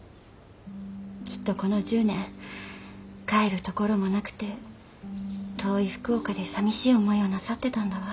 きっとこの１０年帰る所もなくて遠い福岡でさみしい思いをなさってたんだわ。